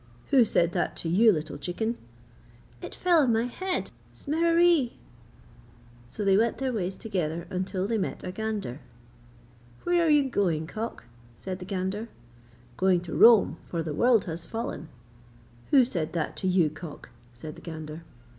'Who said that to you, little chicken?' 'It fell on my head, Smereree!' So they went their ways together until they met a gander. 'Where are you going, cock?' said the gander. 'Going to Rome, for the world has fallen.' 'Who said that to you, cock?' said the gander.